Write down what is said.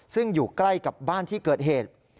ซึ่งอยู่ใกล้กับบ้านที่เกิดเหตุ